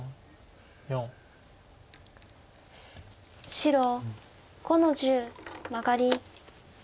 白５の十マガリ。